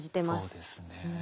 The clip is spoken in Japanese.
そうですね。